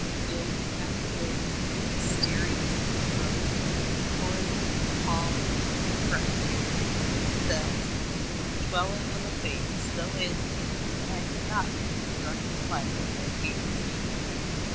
Building after building, mysterious and broken, corridors, halls, refectories, cells; the dwelling of a faith so alien that I could not reconstruct the life that gave it being.